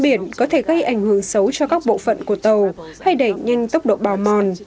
biển có thể gây ảnh hưởng xấu cho các bộ phận của tàu hay đẩy nhanh tốc độ bào mòn